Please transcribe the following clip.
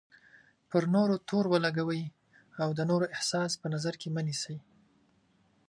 پر نورو تور ولګوئ او د نورو احساس په نظر کې مه نیسئ.